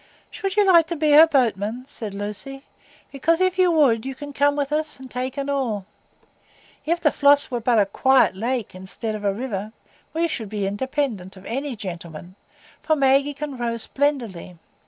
"Should you like to be her boatman?" said Lucy. "Because, if you would, you can come with us and take an oar. If the Floss were but a quiet lake instead of a river, we should be independent of any gentleman, for Maggie can row splendidly.